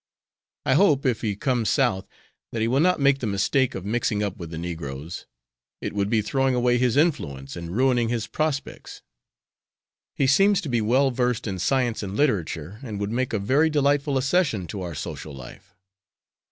I hope if he comes South that he will not make the mistake of mixing up with the negroes. It would be throwing away his influence and ruining his prospects. He seems to be well versed in science and literature and would make a very delightful accession to our social life."